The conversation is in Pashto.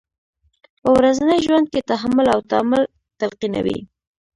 په ورځني ژوند کې تحمل او تامل تلقینوي.